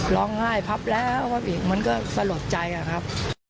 ร้องไห้พับแล้วมันก็สะหรับใจอ่ะครับ